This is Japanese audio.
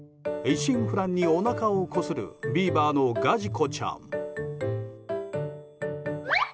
一心不乱におなかをこするビーバーのガジコちゃん。